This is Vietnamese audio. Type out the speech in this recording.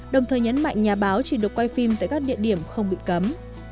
đồng thời nhấn mạnh nhà báo chỉ được quay phim tại các địa điểm không bị cấm